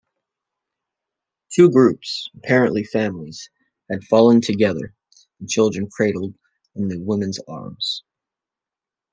Two groups, apparently families, had fallen together, the children cradled in the women's arms.